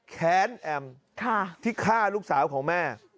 แค้นแอมที่ฆ่าลูกสาวของแม่